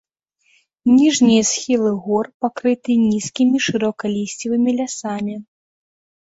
Ніжнія схілы гор пакрыты нізкімі шырокалісцевымі лясамі.